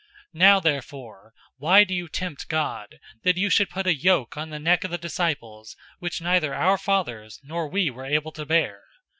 015:010 Now therefore why do you tempt God, that you should put a yoke on the neck of the disciples which neither our fathers nor we were able to bear?